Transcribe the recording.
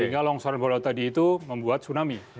sehingga longsoran bawah laut tadi itu membuat tsunami